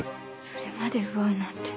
それまで奪うなんて。